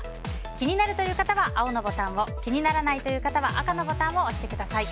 気になるという方は青を気にならないという方は赤のボタンを押してください。